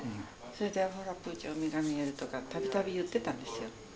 それで「ほらプーちゃん海が見える」とか度々言ってたんですよ。